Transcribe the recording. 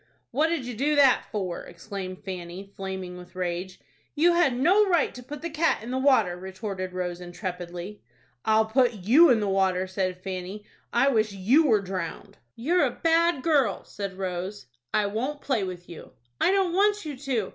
"What did you do that for?" exclaimed Fanny, flaming with rage. "You had no right to put the cat in the water," retorted Rose, intrepidly. "I'll put you in the water," said Fanny. "I wish you were drowned." "You're a bad girl," said Rose. "I won't play with you." "I don't want you to.